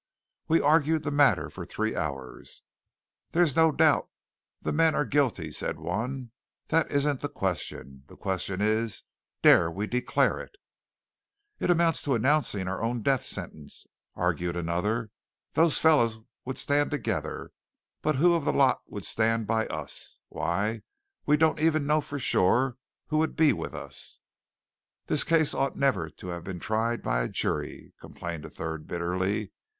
We argued the matter for three hours. "There's no doubt the men are guilty," said one. "That isn't the question. The question is, dare we declare it?" "It amounts to announcing our own death sentence," argued another. "Those fellows would stand together, but who of the lot would stand by us? Why, we don't even know for sure who would be with us." "This case ought never to have been tried by a jury," complained a third bitterly.